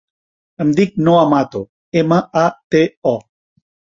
Em dic Noa Mato: ema, a, te, o.